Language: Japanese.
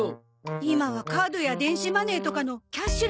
今はカードや電子マネーとかのキャッシュレスの時代。